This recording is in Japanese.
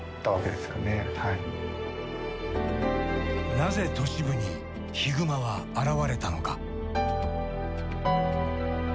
なぜ都市部にヒグマは現れたのか。